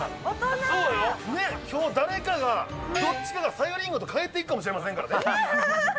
きょう誰かが、どっちかがさゆりんごと帰っていくかもしれませんからね。